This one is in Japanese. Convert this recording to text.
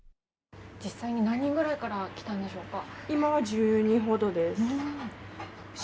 実際何人くらいから来たんでしょうか？